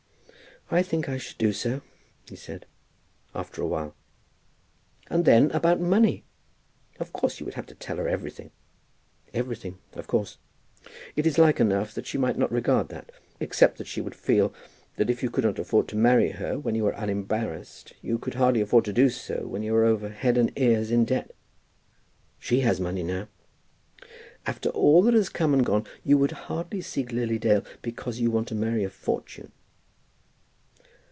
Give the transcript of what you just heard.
"I think I should do so," he said, "after a while." "And then, about money? Of course you would have to tell her everything." "Everything of course." "It is like enough that she might not regard that, except that she would feel that if you could not afford to marry her when you were unembarrassed, you can hardly afford to do so when you are over head and ears in debt." "She has money now." "After all that has come and gone you would hardly seek Lily Dale because you want to marry a fortune."